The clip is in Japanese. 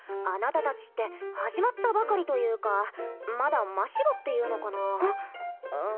あなたたちって始まったばかりというかまだ真っ白っていうのかなあ。